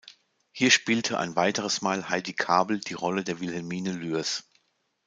Hier spielte ein weiteres Mal Heidi Kabel die Rolle der Wilhelmine Lührs.